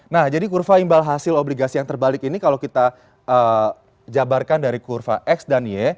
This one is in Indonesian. nah jadi kurva imbal hasil obligasi yang terbalik ini kalau kita jabarkan dari kurva x dan y